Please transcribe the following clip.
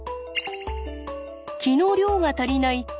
気の量が足りない気虚。